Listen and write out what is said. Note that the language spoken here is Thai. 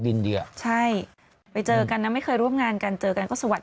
ดินเดี๋ยวใช่ไปเจอกันแล้วไม่เคยร่วมงานกันเจอกันก็เสิวัด